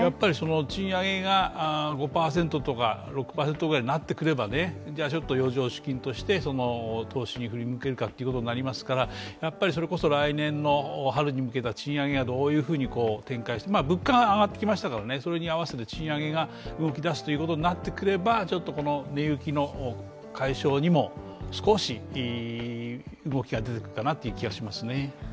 賃上げが５％とか６％ぐらいになってくればちょっと余剰資金として投資に振り向けるかということになりますからそれこそ来年の春に向けた賃上げがどういうふうに展開して物価が上がってきましたからそれに合わせて賃上げが動き出すということになってくれば、根雪の解消にも少し動きが出てくるかなという気がしますね。